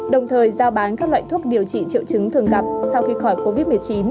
đồng thời giao bán các loại thuốc điều trị triệu chứng thường gặp sau khi khỏi covid một mươi chín